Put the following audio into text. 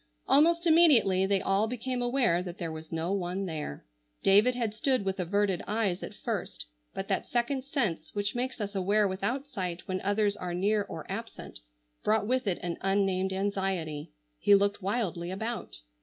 Almost immediately they all became aware that there was no one there. David had stood with averted eyes at first, but that second sense which makes us aware without sight when others are near or absent, brought with it an unnamed anxiety. He looked wildly about.